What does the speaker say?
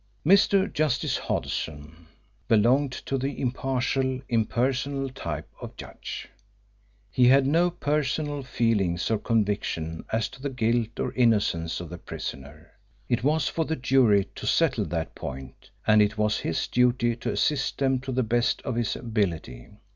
Mr. Justice Hodson belonged to the impartial, impersonal type of judge. He had no personal feelings or conviction as to the guilt or innocence of the prisoner. It was for the jury to settle that point and it was his duty to assist them to the best of his ability.